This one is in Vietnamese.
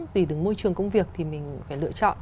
tùy từng môi trường công việc thì mình phải lựa chọn